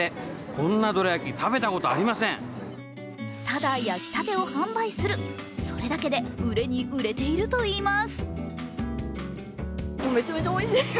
ただ、焼きたてを販売するそれだけで売れに売れてるといいます。